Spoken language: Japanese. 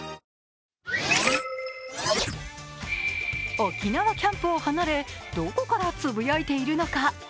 沖縄キャンプを離れ、どこからつぶやいているのか。